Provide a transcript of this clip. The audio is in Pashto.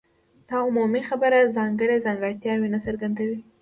دا عمومي خبره ځانګړي ځانګړتیاوې نه څرګندوي.